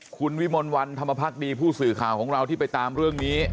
คุณวิมลวันธรรมพักดีผู้สื่อข่าวของเราที่ไปตามเรื่องนี้